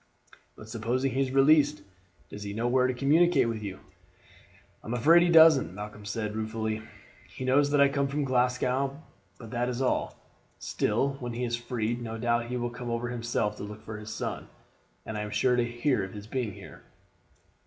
"But supposing he is released, does he know where to communicate with you?" "I am afraid he doesn't," Malcolm said ruefully. "He knows that I come from Glasgow, but that is all. Still, when he is freed, no doubt he will come over himself to look for his son, and I am sure to hear of his being here."